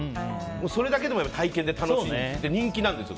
それだけでも体験で楽しくて人気なんですよ。